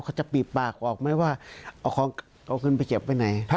เขาจะปีบปากออกไหมว่าเอาของเอาเงินไปเก็บไว้ไหน